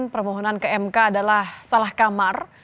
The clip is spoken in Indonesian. permohonan ke mk adalah salah kamar